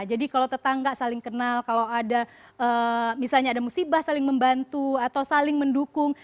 jadi kalau tetangga saling kenal kalau ada misalnya ada musibah saling membantu atau saling mendukung